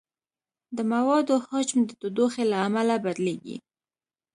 د موادو حجم د تودوخې له امله بدلېږي.